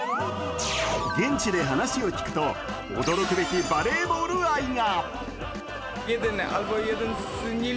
現地で話を聞くと驚くべきバレーボール愛が。